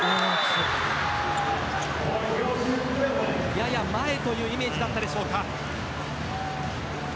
やや前というイメージだったでしょうか。